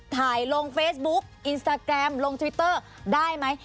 ถ่ายลงเฟซบุ๊กอินสตาแกรมลงทวิตเตอร์ได้ไหม